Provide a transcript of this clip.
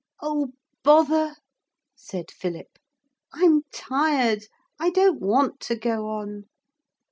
'Oh, bother!' said Philip; 'I'm tired. I don't want to go on.'